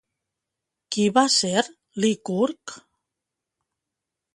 Qui va ser Licurg?